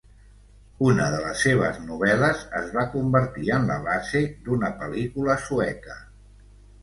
Una de les seves novel·les es va convertir en la base d'una pel·lícula sueca.